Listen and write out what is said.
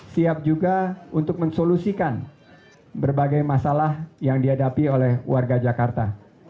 siap juga untuk mensolusikan berbagai masalah yang dihadapi oleh warga jakarta